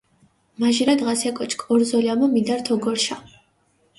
მაჟირა დღას ე კოჩქჷ ორზოლამო მიდართჷ ოგორჷშა.